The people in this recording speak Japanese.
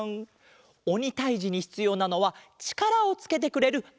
おにたいじにひつようなのはちからをつけてくれるあれだわん。